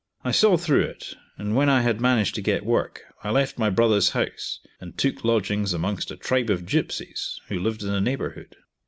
I saw through it, and when I had managed to get work, I left my brother's house and took lodgings amongst a tribe of gipsies who lived in the neighbourhood.